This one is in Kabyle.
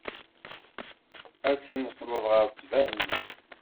Ad tnefleḍ ɣer ttberna.